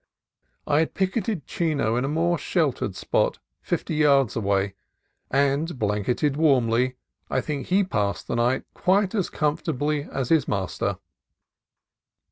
I had picketed Chino in a more shel tered spot fifty yards away, and, blanketed warmly, I think he passed the night quite as comfortably as his master.